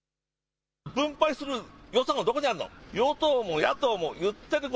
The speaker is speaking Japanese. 分配する予算がどこにあるの。